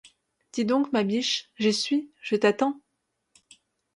Dis donc, ma biche, j'y suis, je t'attends.